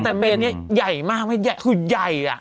แต่เมนเนี่ยใหญ่มากไม่ใหญ่คือใหญ่อะ